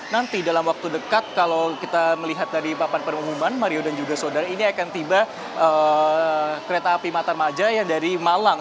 nanti dalam waktu dekat kalau kita melihat dari papan pengumuman mario dan juga saudara ini akan tiba kereta api matarmaja yang dari malang